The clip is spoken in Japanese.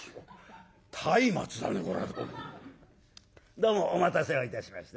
どうもお待たせをいたしました。